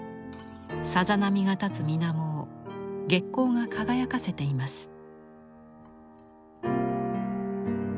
さざ波が立つ水面を月光が輝かせています。